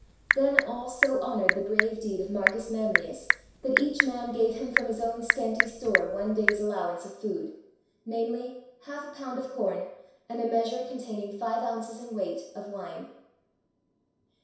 Then all so honored the brave deed of Marcus Manlius that each man gave him from his own scanty store one day's allowance of food, namely, half a pound of com, and a measure containing five ounces in weight of wine.